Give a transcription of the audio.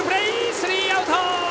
スリーアウト！